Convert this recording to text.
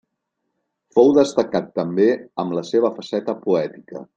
Fou destacat també amb la seva faceta poètica.